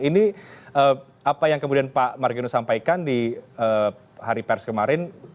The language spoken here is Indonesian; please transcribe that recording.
ini apa yang kemudian pak margiono sampaikan di hari pers kemarin